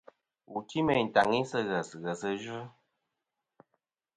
Wù ti meyn tàŋi sɨ̂ ghès, ghèsɨ yvɨ.